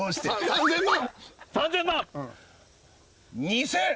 ３０００万！